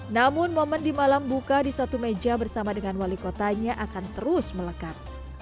namun momen di malam buka di satu meja bersama dengan wali kotanya akan terus melekat